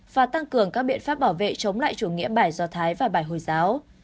và tăng cường các biện pháp bảo vệ chống lại chủ nghĩa bảy do thái và bảy hồi giáo